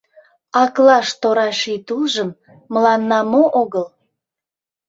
Аклаш тора ший тулжым Мыланна мо огыл.